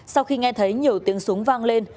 sau khi nghe thấy nhiều tiếng súng vang lên